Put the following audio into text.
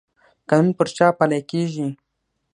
قانون پر چا پلی کیږي؟